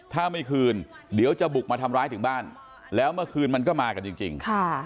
ถ้าไม่คืนเดี๋ยวจะบุกมาทำร้ายถึงบ้านแล้วเมื่อคืนมันก็มากันจริง